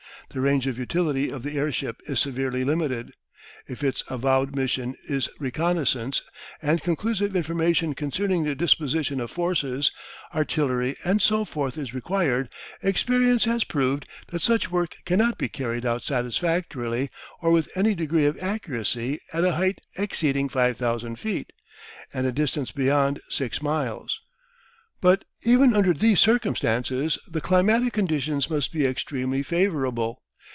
The range of utility of the airship is severely limited. If its avowed mission is reconnaissance and conclusive information concerning the disposition of forces, artillery and so forth is required, experience has proved that such work cannot be carried out satisfactorily or with any degree of accuracy at a height exceeding 5,000 feet, and a distance beyond six miles. But even under these circumstances the climatic conditions must be extremely favourable.